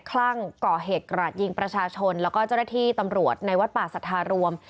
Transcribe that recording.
คลั่งก่อเหตุกราดยิงประชาชนแล้วก็เจ้าหน้าที่ตำรวจในวัดป่าสัทธารวม